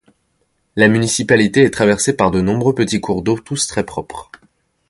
La municipalité est traversée par de nombreux petits cours d'eau, tous très propres.